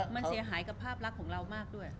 มันเสียหายกับภาพลักษณ์ของเรามากด้วย